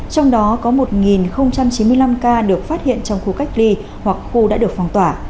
trong đó có một chín mươi năm ca được phát hiện trong khu cách ly hoặc khu đã được phong tỏa